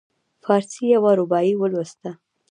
فارسي یوه رباعي ولوستله.